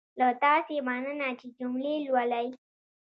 له تاسې مننه چې جملې لولئ.